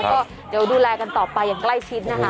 ก็เดี๋ยวดูแลกันต่อไปอย่างใกล้ชิดนะคะ